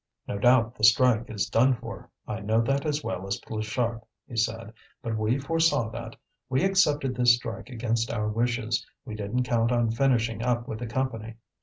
"No doubt the strike is done for, I know that as well as Pluchart," he said. "But we foresaw that. We accepted this strike against our wishes, we didn't count on finishing up with the Company.